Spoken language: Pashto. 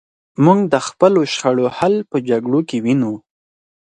موږ د خپلو شخړو حل په جګړو کې وینو.